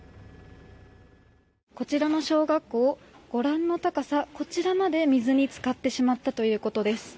こちらの小学校ご覧の高さ、こちらまで水に浸かってしまったということです。